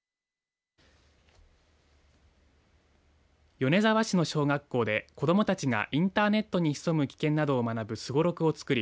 米沢市の小学校で子どもたちがインターネットに潜む危険などを学ぶすごろくを作り